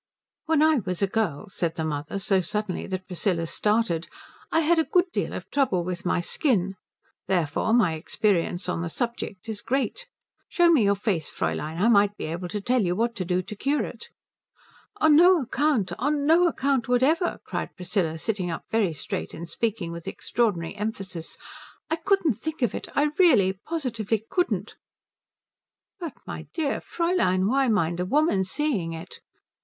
"When I was a girl," said the mother, so suddenly that Priscilla started, "I had a good deal of trouble with my skin. Therefore my experience on the subject is great. Show me your face, Fräulein I might be able to tell you what to do to cure it." "Oh, on no account on no account whatever," cried Priscilla, sitting up very straight and speaking with extraordinary emphasis. "I couldn't think of it I really positively couldn't." "But my dear Fräulein, why mind a woman seeing it?"